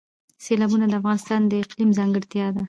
سیلابونه د افغانستان د اقلیم ځانګړتیا ده.